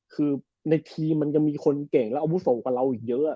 คือในทีมมันยังมีคนเก่งและอาวุโสกว่าเราอีกเยอะ